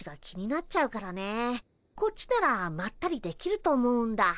こっちならまったりできると思うんだ。